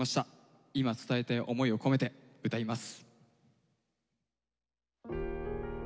今伝えたい思いを込めて歌います。